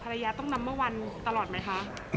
ภรรยาต้องนำเมื่อวันตลอดไหมคะ